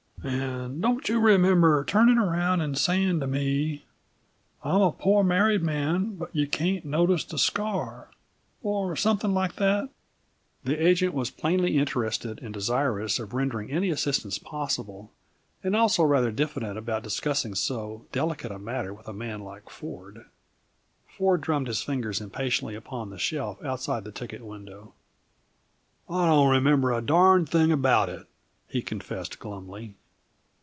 "And don't you remember turning around and saying to me: 'I'm a poor married man, but you can't notice the scar,' or something like that?" The agent was plainly interested and desirous of rendering any assistance possible, and also rather diffident about discussing so delicate a matter with a man like Ford. Ford drummed his fingers impatiently upon the shelf outside the ticket window. "I don't remember a darned thing about it," he confessed glumly.